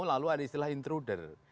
lalu ada istilah intruder